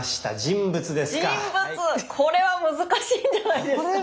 これは難しいんじゃないですか。